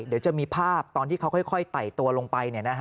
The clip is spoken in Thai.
เดี๋ยวจะมีภาพตอนที่เขาค่อยไต่ตัวลงไป